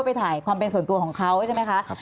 ไปถ่ายความเป็นส่วนตัวของเขาใช่ไหมคะ